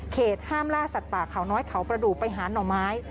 ห้ามล่าสัตว์ป่าเขาน้อยเขาประดูกไปหาหน่อไม้